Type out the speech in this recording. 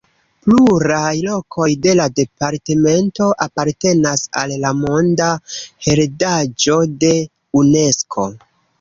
Pluraj lokoj de la departemento apartenas al la monda heredaĵo de Unesko.